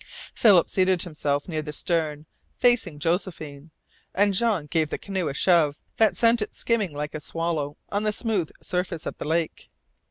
Philip seated himself near the stern, facing Josephine, and Jean gave the canoe a shove that sent it skimming like a swallow on the smooth surface of the lake.